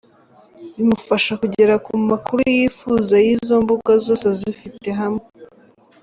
Bimufasha kugera ku makuru yifuza y’izo mbuga zose azifite hamwe.